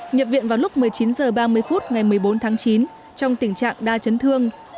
nhập viện vào lúc một mươi chín h ba mươi phút ngày một mươi bốn tháng chín trong tình trạng đa chấn thương